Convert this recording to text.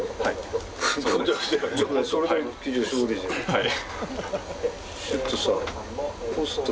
はい。